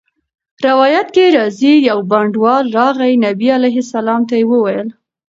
روایت کي راځي: يو بانډَوال راغی، نبي عليه السلام ته ئي وويل